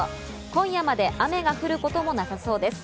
今夜まで雨が降ることもなさそうです。